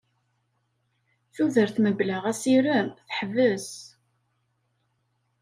Tudert mebla asirem teḥbes.